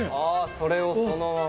それをそのまま。